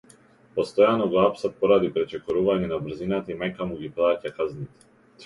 Постојано го апсат поради пречекорување на брзината и мајка му ги плаќа казните.